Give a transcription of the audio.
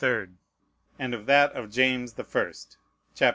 3rd, and of that of James the First, chap.